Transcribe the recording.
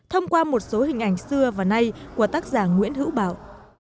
hình ảnh xưa và nay của tác giả nguyễn hữu bảo